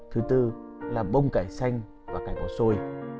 thứ tư là bông cải xanh và cải bó xôi